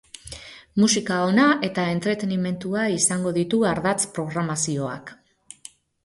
Musika ona eta entretenimendua izango ditu ardatz programazioak.